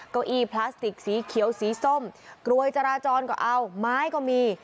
เก้าอี้พลาสติกสีเขียวสีส้มกลวยจราจรก็เอาไม้ก็มี